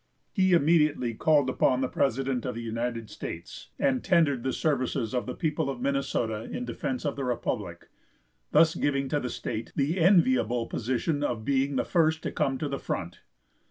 He immediately called on the president of the United States, and tendered the services of the people of Minnesota in defense of the republic, thus giving to the state the enviable position of being the first to come to the front.